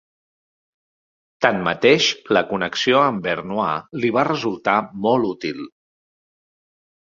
Tanmateix, la connexió amb Beauharnois li va resultar molt útil.